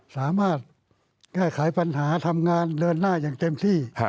สามารถแก้ไขปัญหาทำงานเดินหน้าอย่างเต็มที่